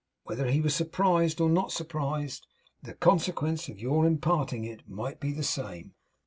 But whether he was surprised or not surprised, the consequence of your imparting it might be the same.